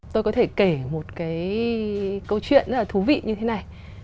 tôi có thể kể một cái câu chuyện rất là thú vị như thế này